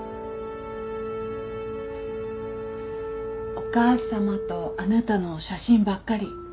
お母様とあなたの写真ばっかり。